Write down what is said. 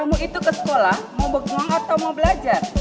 kamu itu ke sekolah mau berbuang atau mau belajar